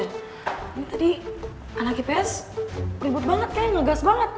ini tadi anak gps ribet banget kayaknya ngegas banget